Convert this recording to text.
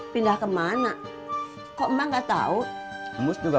pindah ke mana kok enggak tahu mus juga